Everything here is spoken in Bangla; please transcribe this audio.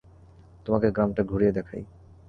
তোমাকে গ্রামটা ঘুরিয়ে দেখাই।